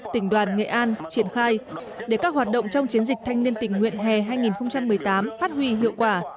tỉnh đoàn nghệ an triển khai để các hoạt động trong chiến dịch thanh niên tình nguyện hè hai nghìn một mươi tám phát huy hiệu quả